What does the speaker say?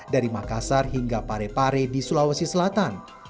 dari makassar hingga pare pare di sulawesi selatan